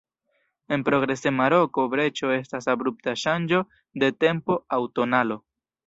En progresema roko breĉo estas abrupta ŝanĝo de tempo aŭ tonalo.